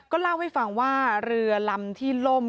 เล่าให้ฟังว่าเรือลำที่ล่ม